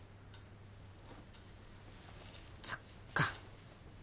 そっか。